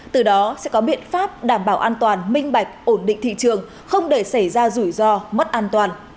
từ đó sẽ có biện pháp đảm bảo an toàn minh bạch ổn định thị trường không để xảy ra rủi ro mất an toàn